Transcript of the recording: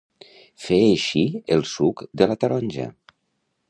Fer eixir el suc de la taronja.